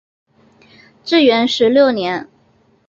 至元十六年。